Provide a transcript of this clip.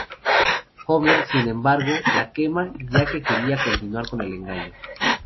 Homer, sin embargo, la quema, ya que quería continuar con el engaño.